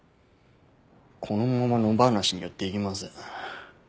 このまま野放しにはできません。